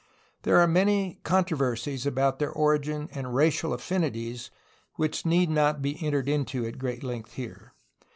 There are many controversies about their origin and racial affini ties which need not be entered into at great length here.